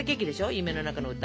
「夢の中の歌」。